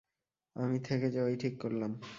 আমি থেকে যাওয়াই ঠিক করলাম।